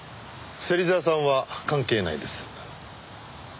芹沢さんは関係ないです。